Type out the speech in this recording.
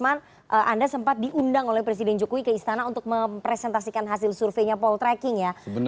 pak anwar usman anda sempat diundang oleh presiden jokowi ke istana untuk mempresentasikan hasil surveinya poll tracking ya